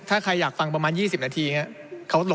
ถ้าใครอยากฟังประมาณ๒๐นาทีครับ